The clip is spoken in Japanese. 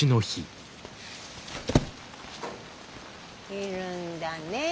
いるんだねえ